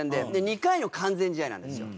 ２回の完全試合なんですよ。